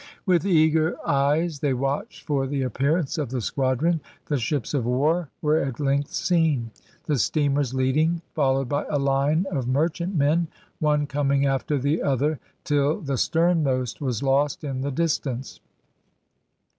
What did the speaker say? With eager eyes they watched for the appearance of the squadron; the ships of war were at length seen, the steamers leading, followed by a line of merchantmen, one coming after the other till the sternmost was lost in the distance.